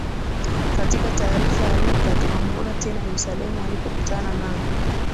Katika taarifa ya Luka tunamwona tena Yerusalemu alipokutana na